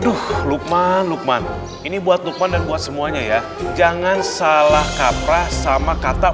aduh lukman lukman ini buat nukman dan buat semuanya ya jangan salah kaprah sama kata